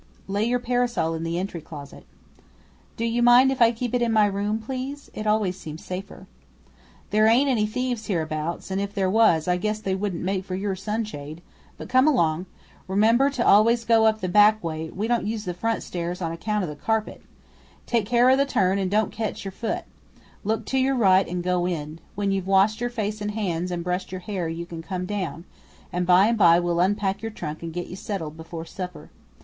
"Lay your parasol in the entry closet." "Do you mind if I keep it in my room, please? It always seems safer." "There ain't any thieves hereabouts, and if there was, I guess they wouldn't make for your sunshade, but come along. Remember to always go up the back way; we don't use the front stairs on account o' the carpet; take care o' the turn and don't ketch your foot; look to your right and go in. When you've washed your face and hands and brushed your hair you can come down, and by and by we'll unpack your trunk and get you settled before supper.